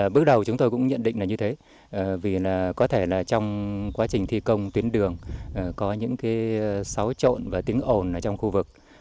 bước đầu chúng tôi cũng nhận định là như thế vì có thể là trong quá trình thi công tuyến đường có những xáo trộn và tiếng ồn trong khu vực